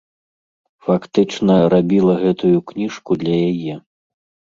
Фактычна, рабіла гэтую кніжку для яе.